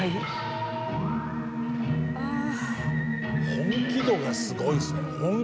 本気度がすごいですね。